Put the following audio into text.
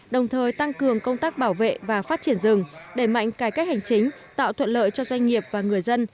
đồng thời tăng cường công tác bảo vệ và phát triển rừng đẩy mạnh cải cách hành chính tạo thuận lợi cho doanh nghiệp và người dân